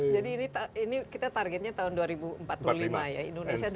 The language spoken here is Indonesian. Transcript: jadi ini kita targetnya tahun dua ribu empat puluh lima ya indonesia namanya